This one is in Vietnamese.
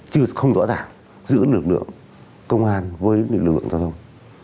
chứ không rõ ràng giữ lực lượng công an với lực lượng giao thông